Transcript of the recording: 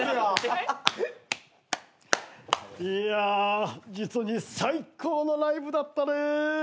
・いや実に最高のライブだったね。